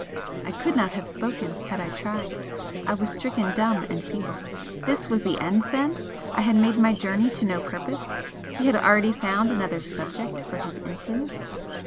I could not have spoken, had I tried I was stricken dumb and feeble. This was the end, then? I had made my journey to no purpose, he had already found another 'subject' for his influence!